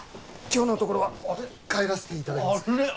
今日のところは帰らせていただきますね